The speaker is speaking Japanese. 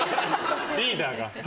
リーダーが。